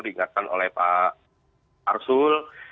diingatkan oleh pak arsul